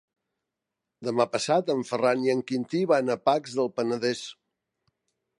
Demà passat en Ferran i en Quintí van a Pacs del Penedès.